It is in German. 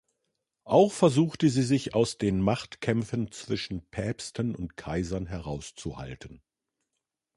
Auch versuchte sie sich aus den Machtkämpfen zwischen Päpsten und Kaisern herauszuhalten.